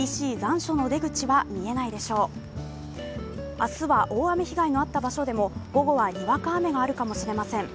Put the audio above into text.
明日は大雨被害のあった場所でも午後はにわか雨があるかもしれません。